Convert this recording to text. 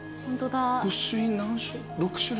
御朱印６種類？